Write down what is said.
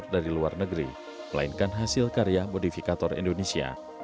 dari luar negeri melainkan hasil karya modifikator indonesia